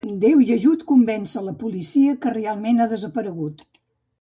Déu i ajut convèncer la policia que realment ha desaparegut.